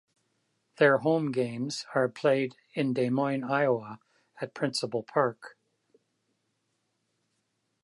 Their home games are played in Des Moines, Iowa, at Principal Park.